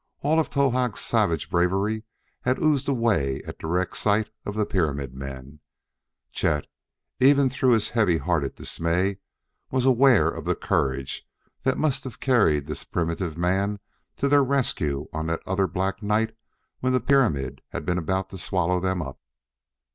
All of Towahg's savage bravery had oozed away at direct sight of the pyramid men; Chet, even through his heavy hearted dismay, was aware of the courage that must have carried this primitive man to their rescue on that other black night when the pyramid had been about to swallow, them up.